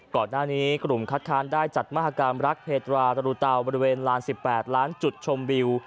ก่อนหน้านี้กลุ่มคัดค้านได้จัดมหากรรมรักเพตราตรูเตาบริเวณลาน๑๘ล้านจุดชมวิว